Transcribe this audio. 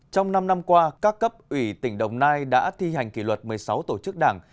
trong năm năm qua các cấp ủy tỉnh đồng nai đã thi hành kỷ luật một mươi sáu tổ chức đảng